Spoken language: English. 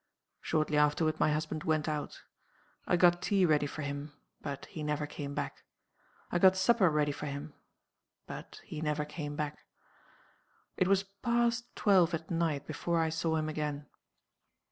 "Shortly afterward my husband went out. I got tea ready for him but he never came back. I got supper ready for him but he never came back. It was past twelve at night before I saw him again.